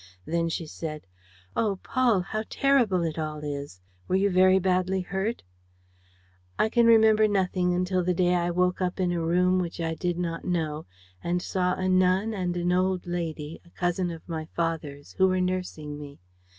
Then she said: "Oh, Paul, how terrible it all is! Were you very badly hurt?" "I can remember nothing until the day when I woke up in a room which I did not know and saw a nun and an old lady, a cousin of my father's, who were nursing me.